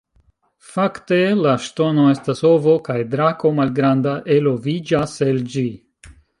Fakte la ŝtono estas ovo kaj drako malgranda eloviĝas el ĝi.